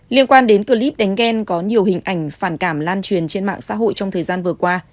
liên quan đến clip đánh ghen có nhiều hình ảnh phản cảm lan truyền trên mạng xã hội trong thời gian vừa qua